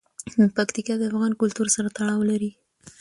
پکتیکا د افغان کلتور سره تړاو لري.